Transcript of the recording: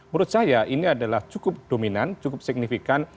menurut saya ini adalah cukup dominan cukup signifikan